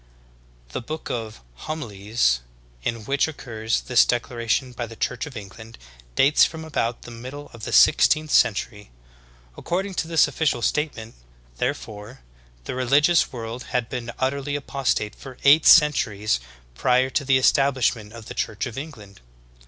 '" The "Book of Homilies," in which occurs this declaration by the Church of England, dates from, about the middle of the sixteenth century. According to this official statement, therefore, the religious world had been utterly apostate for eight centuries prior to the establishment of the Church of England.